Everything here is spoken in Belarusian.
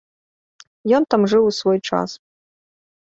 Ён там жыў у свой час.